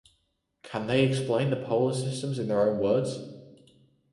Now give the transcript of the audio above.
Can they explain the polar system in their own words?